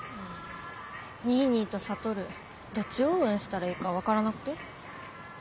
ニーニーと智どっちを応援したらいいか分からなくて。